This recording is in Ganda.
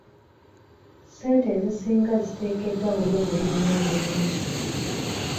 Ssente ezisinga ziteekeddwa mu by'obulimi n'obulunzi.